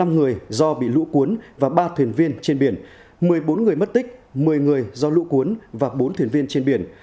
năm người do bị lũ cuốn và ba thuyền viên trên biển một mươi bốn người mất tích một mươi người do lũ cuốn và bốn thuyền viên trên biển